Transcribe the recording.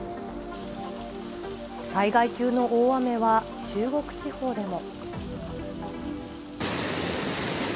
災害級の大雨は中国地方でも。